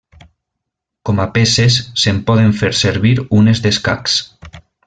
Com a peces, se'n poden fer servir unes d'escacs.